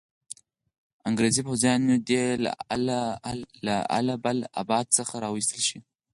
انګریزي پوځیان دي له اله اباد څخه را وایستل شي.